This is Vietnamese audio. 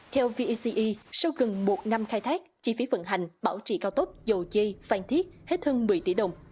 theo v e c e sau gần một năm khai thác chi phí vận hành bảo trị cao tốc dầu dây phan thiết hết hơn một mươi tỷ đồng